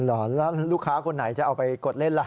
เหรอแล้วลูกค้าคนไหนจะเอาไปกดเล่นล่ะ